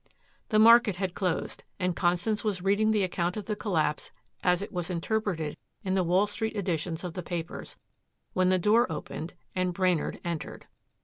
The market had closed and Constance was reading the account of the collapse as it was interpreted in the Wall Street editions of the papers, when the door opened and Brainard entered.